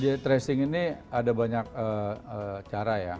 ya tracing ini ada banyak cara ya